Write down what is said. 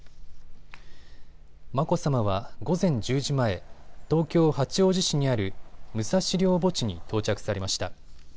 眞子さまは午前１０時前、東京八王子市にある武蔵陵墓地に到着されました。